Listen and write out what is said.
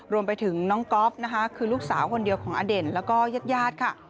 รวมไปถึงน้องก๊อฟนะคะคือลูกสาวคนเดียวของอเด่นแล้วก็ญาติญาติค่ะ